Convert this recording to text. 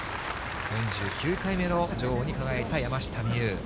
４９回目の女王に輝いた山下美夢有。